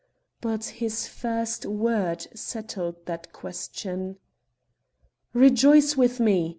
But his first word settled that question. "Rejoice with me!"